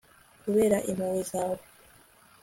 kubera impuhwe zawe